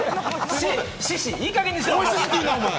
しし、いいかげんにしろ！